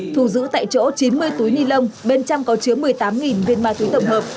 thủ giữ tại chỗ chín mươi túi nilon bên trong có chứa một mươi tám viên ma túy tổng hợp